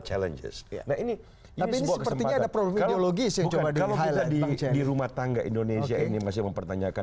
challenges ini ini sebuah kesempatan kalau kita di rumah tangga indonesia ini masih mempertanyakan